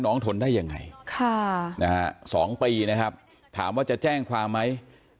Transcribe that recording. ทนได้ยังไง๒ปีนะครับถามว่าจะแจ้งความไหม